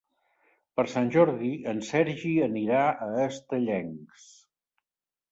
Per Sant Jordi en Sergi anirà a Estellencs.